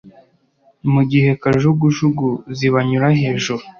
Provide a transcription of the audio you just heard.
mu gihe kajugujugu zibanyura hejuru.